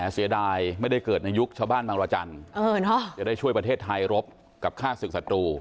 เสียดายไม่ได้เกิดในยุคชาวบ้านบางรจันทร์จะได้ช่วยประเทศไทยรบกับค่าศึกศัตรู